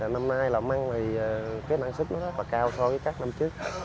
năm nay là măng thì cái năng sức nó rất là cao so với các năm trước